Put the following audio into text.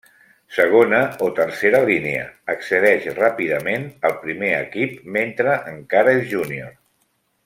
Segona o tercera línia, accedeix ràpidament al primer equip mentre encara és junior.